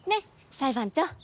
裁判長。